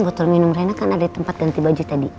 botol minum rena kan ada di tempat ganti baju tadi